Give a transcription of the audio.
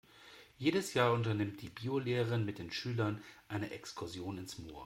Jedes Jahr unternimmt die Biolehrerin mit den Schülern eine Exkursion ins Moor.